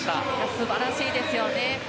素晴らしいですよね。